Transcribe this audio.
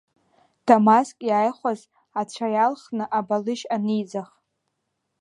Дамаск иааихәаз ацәа иалхны абалышь аниӡах.